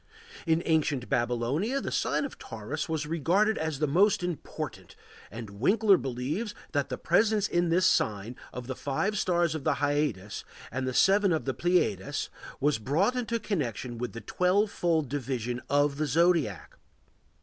In ancient Babylonia the sign of Taurus was regarded as the most important, and Winckler believes that the presence in this sign of the five stars of the Hyades and the seven of the Pleiades was brought into connection with the twelve fold division of the zodiac.